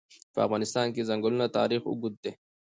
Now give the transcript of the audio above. په افغانستان کې د چنګلونه تاریخ اوږد دی.